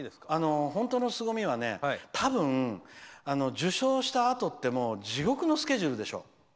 本当のすごみは受賞したあとって地獄のスケジュールでしょ。